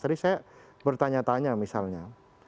jadi saya bertanya tanya misalnya